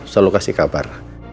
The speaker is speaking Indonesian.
selalu kasih kabar